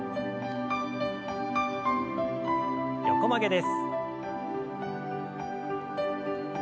横曲げです。